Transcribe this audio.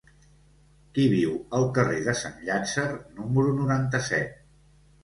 Qui viu al carrer de Sant Llàtzer número noranta-set?